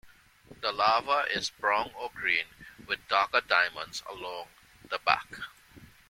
The larva is brown or green with darker diamonds along the back.